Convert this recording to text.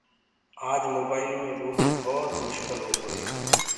آج موبآئلو مي ٻولوو ڀوت مشڪل هوگو هي